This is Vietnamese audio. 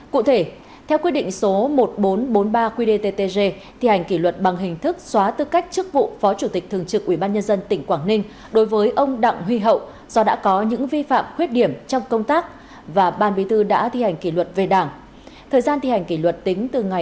cụ thể theo quyết định số một nghìn bốn trăm bốn mươi ba qdttg thi hành kỷ luật bằng hình thức xóa tư cách chức vụ phó chủ tịch thường trực ubnd tỉnh quảng ninh đối với ông đặng huy hậu do đã có những vi phạm khuyết điểm trong công tác và ban bí thư đã thi hành kỷ luật về đảng